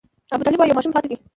ابوطالب وايي یو ماشوم پاتې دی.